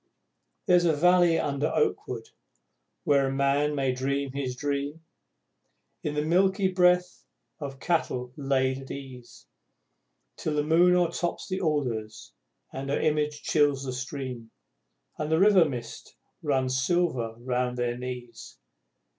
There's a valley, under oakwood, where a man may dream his dream, In the milky breath of cattle laid at ease, Till the moon o'ertops the alders, and her image chills the stream, And the river mist runs silver round their knees!